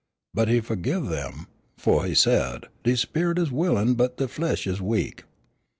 But he fu'give 'em, fu' he said, 'De sperit is willin' but de flesh is weak.'